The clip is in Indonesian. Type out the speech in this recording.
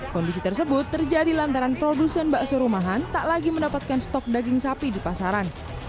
kondisi tersebut terjadi lantaran produsen bakso rumahan tak lagi mendapatkan stok daging sapi di pasaran